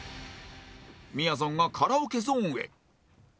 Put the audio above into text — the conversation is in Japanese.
みやぞんがカラオケゾーンへ